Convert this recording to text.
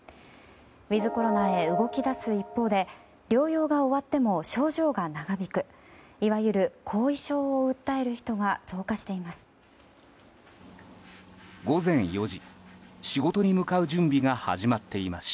ウィズコロナへ動き出す一方で療養が終わっても症状が長引くいわゆる後遺症を訴える人が増加しています。